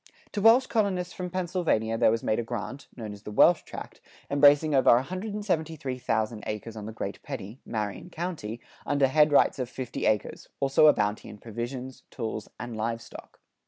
To Welsh colonists from Pennsylvania there was made a grant known as the "Welsh tract," embracing over 173,000 acres on the Great Pedee (Marion County)[97:1] under headrights of fifty acres, also a bounty in provisions, tools, and livestock.